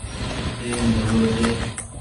زهين ڀلو ڇي۔